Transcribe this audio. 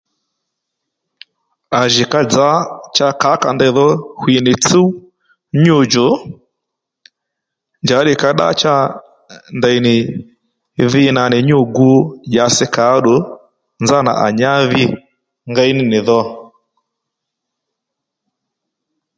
À jì ka dzǎ cha kǎkà ndèy dho ɦwì nì nyû djú tsúw djò njàddî ka ddá cha ndèynì dhi nà nì nyû gu dyasi kà ó ddù nzánà à nyá dhi ngéy ní nì dho